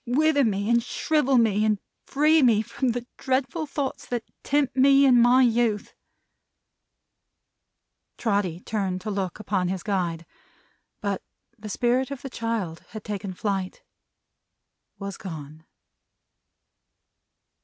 Wither me and shrivel me, and free me from the dreadful thoughts that tempt me in my youth!" Trotty turned to look upon his guide. But, the Spirit of the child had taken flight. Was gone.